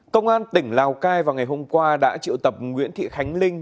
công an tỉnh lào cai vào ngày hôm qua đã triệu tập nguyễn thị khánh linh